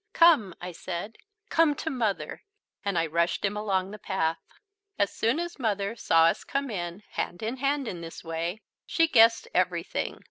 "Come," I said, "come to Mother," and I rushed him along the path. As soon as Mother saw us come in hand in hand in this way, she guessed everything.